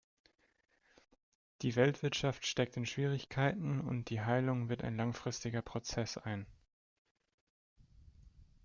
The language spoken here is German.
Die Weltwirtschaft steckt in Schwierigkeiten, und die Heilung wird ein langfristiger Prozess ein.